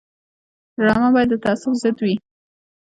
ډرامه باید د تعصب ضد وي